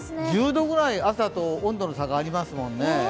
１０度ぐらい、朝と温度の差がありますもんね。